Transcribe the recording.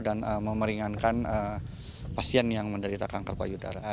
dan memeringankan pasien yang menderita kanker payudara